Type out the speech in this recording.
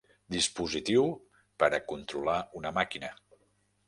Dispositiu per a controlar una màquina.